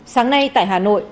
sáng nay tại hà nội